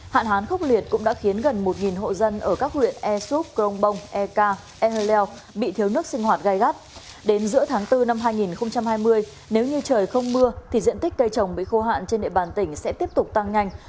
hạn hán khốc liệt cũng đã khiến gần một hectare trồng bị hạn